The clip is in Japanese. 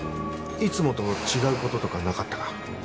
いつもと違うこととかなかったか？